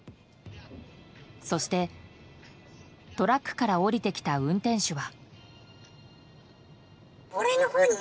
そして、トラックから降りてきた運転手は。